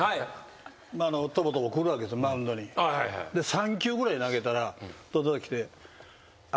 ３球ぐらい投げたら来て。